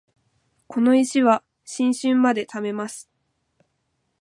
この石は新春まで貯めます